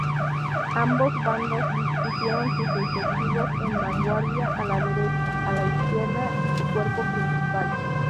Ambos bandos dispusieron sus efectivos en vanguardia, ala derecha, ala izquierda y cuerpo principal.